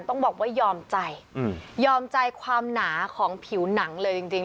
ต้องบอกว่ายอมใจยอมใจความหนาของผิวหนังเลยจริง